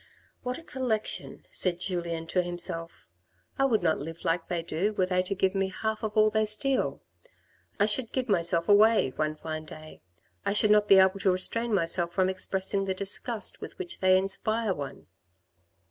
"What a collection," said Julien to himself; "I would not live like they do were they to give me half of all they steal. I shall give myself away one fine day. I should not be able to restrain myself from expressing the disgust with which they inspire one."